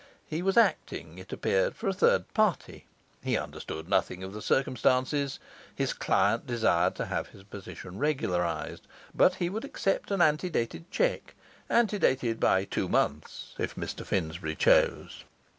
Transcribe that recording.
He was acting, it appeared, for a third party; he understood nothing of the circumstances; his client desired to have his position regularized; but he would accept an antedated cheque antedated by two months, if Mr Finsbury chose.